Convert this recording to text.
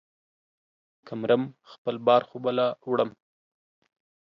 که مرم ، خپل بار خو به لا وړم.